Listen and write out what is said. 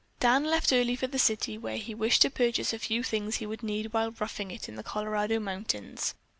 Dan left early for the city, where he wished to purchase a few things he would need while "roughing it" in the Colorado mountains.